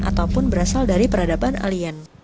ataupun berasal dari peradaban alien